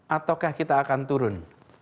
ataukah kita akan turun